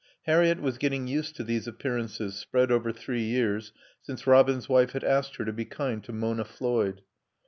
Harriett was getting used to these appearances, spread over three years, since Robin's wife had asked her to be kind to Mona Floyd.